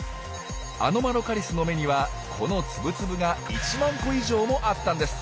アノマロカリスの眼にはこのツブツブが１万個以上もあったんです。